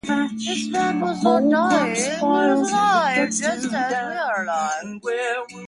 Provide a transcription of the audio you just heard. This man was not dying, he was alive just as we are alive.